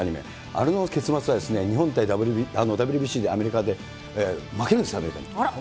あれの結末は、日本対ＷＢＣでアメリカで、負けるんですよ、アメリカに。